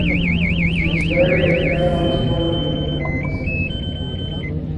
She was buried in Carolina's Puerto Rico Memorial Cemetery.